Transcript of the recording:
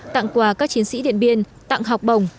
tặng quà các chiến sĩ điện biên tặng học bổng